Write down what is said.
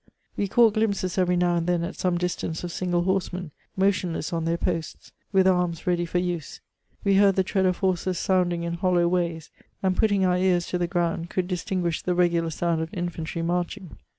W*e caught glimpses every now and then at some dis tance of single horsemen, motionless on their posts, with arms ready for use ; we heard the tread of horses sounding in hollow ways ; and putting our ears to the ground, coidd distinguish the regular sound of infantry marching.